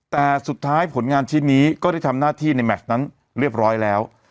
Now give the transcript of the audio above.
แต่สุดท้ายผลงานชิ้นนี้ก็ได้ทำหน้าที่ในแมชนั้นเรียบร้อยแล้ว